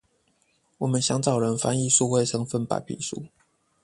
我們想找人翻譯數位身分白皮書